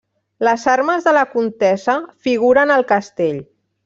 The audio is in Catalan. Les armes de la comtessa figuren al castell.